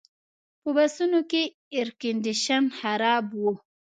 په بسونو کې ایرکنډیشن خراب و.